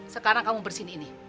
sekarang kamu bersihin ini